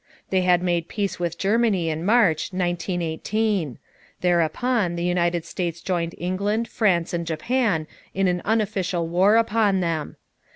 They had made peace with Germany in March, 1918. Thereupon the United States joined England, France, and Japan in an unofficial war upon them.